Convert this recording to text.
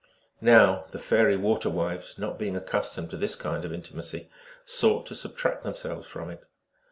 Now the fairy water wives, not being accustomed to this kind of intimacy, sought to subtract themselves from it.